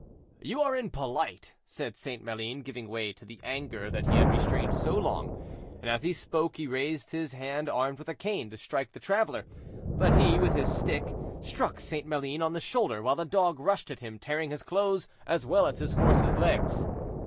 "You are impolite," said St. Maline, giving way to the anger that he had restrained so long; and as he spoke he raised his hand armed with a cane to strike the traveler, but he, with his stick, struck St. Maline on the shoulder, while the dog rushed at him, tearing his clothes, as well as his horse's legs.